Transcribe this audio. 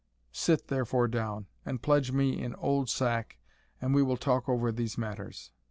Sit, therefore, down, and pledge me in old sack, and we will talk over these matters."